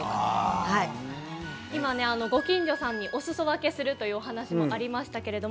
ご近所さんにおすそ分けするという話もありました。